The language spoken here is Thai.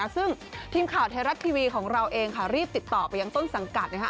ซึ่งทีมข่าวไทยรัฐทีวีของเราเองค่ะรีบติดต่อไปยังต้นสังกัดนะคะ